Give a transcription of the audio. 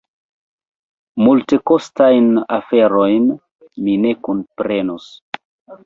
Multekostajn aferojn mi ne kunprenos.